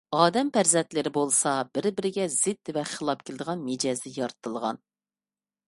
ئادەم پەرزەنتلىرى بولسا بىر - بىرىگە زىت ۋە خىلاپ كېلىدىغان مىجەزدە يارىتىلغان.